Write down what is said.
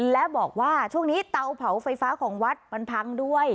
และบอกว่าช่วงนี้เตาเผาไฟฟ้าของวัดมันพังด้วย